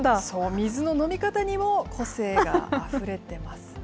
水の飲み方にも個性があふれてますね。